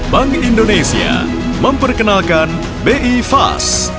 bank indonesia memperkenalkan bi fast